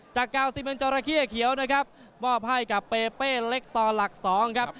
จากเกาซิเมนเจาระเข้เขียวนะครับมอบให้กับเปเปเล็กตอนหลัก๒ครับ